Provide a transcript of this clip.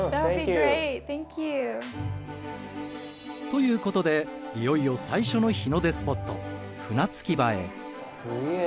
ということでいよいよ最初の日の出スポットすげえ。